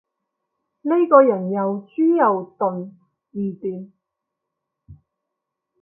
呢個人又豬又鈍，唔掂